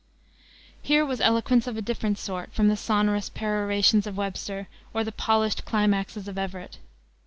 Here was eloquence of a different sort from the sonorous perorations of Webster or the polished climaxes of Everett.